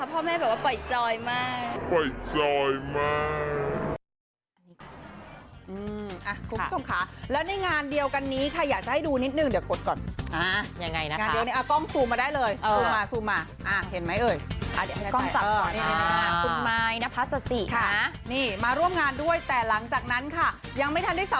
พ่อแม่ไม่เล่นเลยค่ะพ่อแม่แบบว่าปล่อยจอยมาก